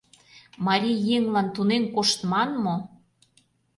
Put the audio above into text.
Марий еҥлан тунем коштман мо!